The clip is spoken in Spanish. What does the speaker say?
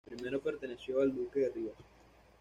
Primero perteneció al duque de Rivas.